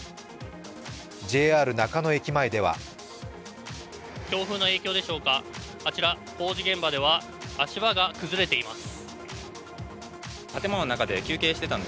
ＪＲ中野駅前では強風の影響でしょうか、あちら工事現場では足場が崩れています。